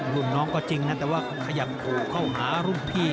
รุ่นน้องก็จริงนะแต่ว่าขยับขู่เข้าหารุ่นพี่